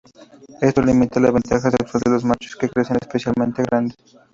Esto limita la ventaja sexual de los machos que crecen especialmente grande.